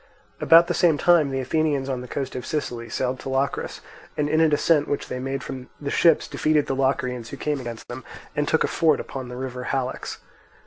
About the same time the Athenians on the coast of Sicily sailed to Locris, and in a descent which they made from the ships defeated the Locrians who came against them, and took a fort upon the river Halex.